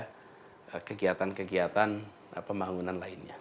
jauh lebih bermanfaat diberikan kepada kegiatan kegiatan pembangunan lainnya